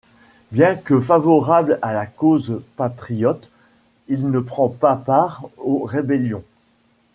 Bien que favorable à la cause Patriote, il ne prend pas part aux rébellions.